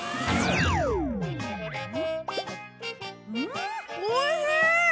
うんおいしい！